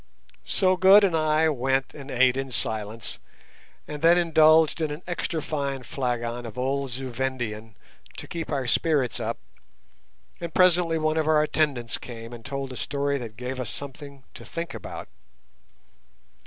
So Good and I went and ate in silence and then indulged in an extra fine flagon of old Zu Vendian to keep our spirits up, and presently one of our attendants came and told a story that gave us something to think about.